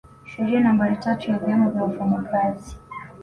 Sheria nambari tatu ya vyama vya wafanyakazi